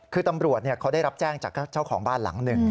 คือตำรวจเขาได้รับแจ้งจากเจ้าของบ้านหลังหนึ่ง